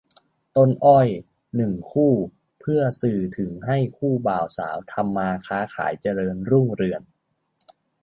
ต้นอ้อย หนึ่ง คู่ เพื่อสื่อถึงให้คู่บ่าวสาวทำมาค้าขายเจริญรุ่งเรือง